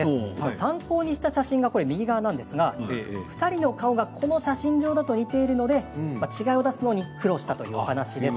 参考にした写真が２人の顔がこの写真上だと似ているので違いを出すのに苦労したということです。